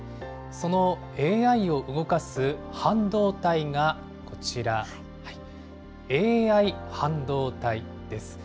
そのＡＩを動かす半導体がこちら、ＡＩ半導体です。